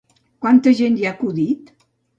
Quanta gent hi ha acudit?